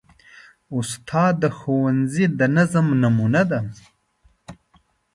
استاد د ښوونځي د نظم نمونه ده.